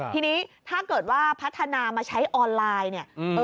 ทีนี้ถ้าเกิดว่าพัฒนามาใช้ออนไลน์เนี่ย